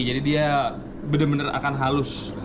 jadi dia bener bener akan halus